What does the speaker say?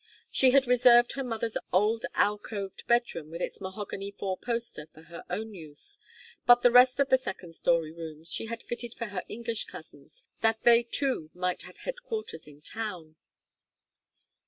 She had reserved her mother's old alcoved bedroom with its mahogany four poster for her own use, but the rest of the second story rooms she had fitted for her English cousins, that they too might have headquarters in town.